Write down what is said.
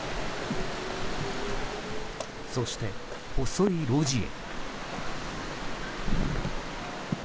そして、細い路地へ。